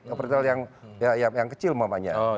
operator yang kecil maksudnya